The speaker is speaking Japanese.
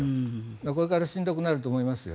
だからこれからしんどくなると思います。